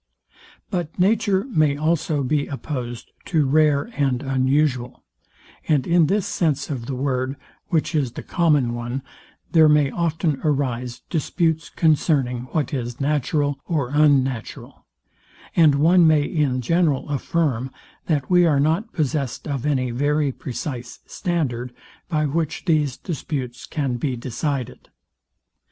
But nature may also be opposed to rare and unusual; and in this sense of the word, which is the common one, there may often arise disputes concerning what is natural or unnatural; and one may in general affirm, that we are not possessed of any very precise standard, by which these disputes can be decided.